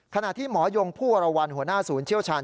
ขณะที่หมอยงผู้วรวรรณหัวหน้าศูนย์เชี่ยวชาญ